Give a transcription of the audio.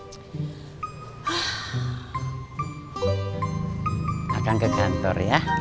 tapi bener kang dia suka semuanya